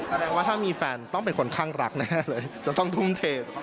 แสดงว่าถ้ามีแฟนต้องเป็นคนข้างรักแน่เลยจะต้องทุ่มเท